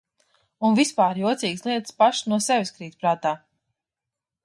Un vispār jocīgas lietas pašas no sevis krīt prātā.